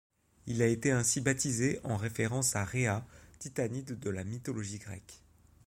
Il a été ainsi baptisé en référence à Rhéa, Titanide de la mythologie grecque.